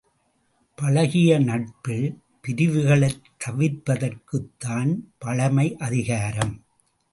பழகிய நட்பில் பிரிவுகளைத் தவிர்ப்பதற்குத் தான் பழைமை அதிகாரம்.